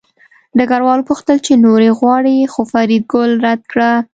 ډګروال وپوښتل چې نورې غواړې خو فریدګل رد کړه